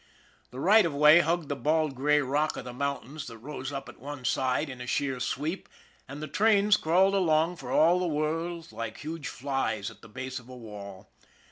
The right of way hugged the bald gray rock of the mountains that rose up at one side in a sheer sweep, and the trains crawled along for all the world like huge flies at the base of a wall.